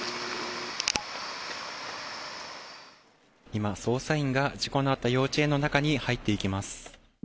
今、捜査員が事故のあった幼稚園の中に入っていきます。